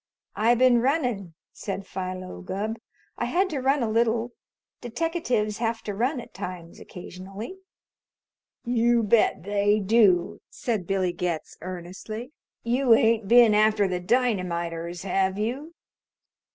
"I been runnin'," said Philo Gubb. "I had to run a little. Deteckatives have to run at times occasionally." "You bet they do," said Billy Getz earnestly. "You ain't been after the dynamiters, have you?"